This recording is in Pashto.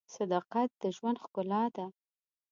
صداقت د ژوند ښکلا ده.